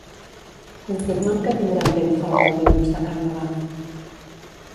Confirma'm que tindrem vent fort el dilluns de Carnaval.